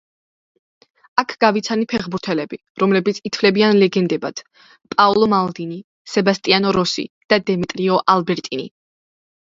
აქ გავიცანი ფეხბურთელები, რომლებიც ითვლებიან ლეგენდებად: პაოლო მალდინი, სებასტიანო როსი და დემეტრიო ალბერტინი.